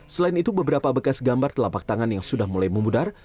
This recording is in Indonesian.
selain itu beberapa bekas gambar telapak tangan yang sudah mulai memudar